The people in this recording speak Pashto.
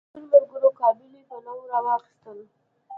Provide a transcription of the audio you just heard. ټولو ملګرو قابلي پلو راوغوښتل.